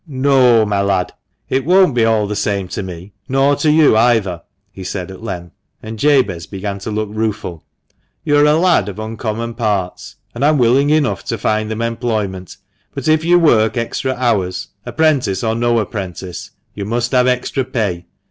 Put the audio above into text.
" No, my lad, it won't be all the same to me, nor to you either," he said, at length, and Jabez began to look rueful. "You're a lad of uncommon parts, and I'm willing enough to find them employment. But if you work extra hours, apprentice or no apprentice, you must have extra pay.